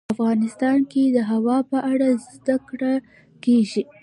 افغانستان کې د هوا په اړه زده کړه کېږي.